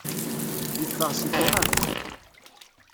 Yeffeɣ si texxamt.